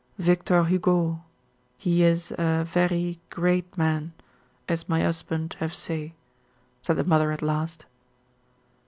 "Victor Hugo, he is a very great man, as my 'usband have say," said the mother at last.